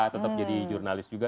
tetap jadi jurnalis juga